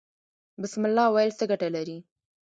بسم الله ویل څه ګټه لري؟